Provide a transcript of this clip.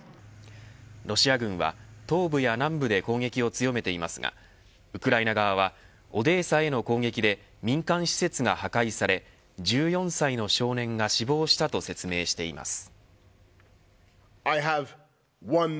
ロシア軍は東部や南部で攻撃を強めていますがウクライナ側はオデーサへの攻撃で民間施設が破壊され１４歳の少年が死亡したと説明しています。